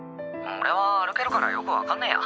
オレは歩けるからよく分かんねえや！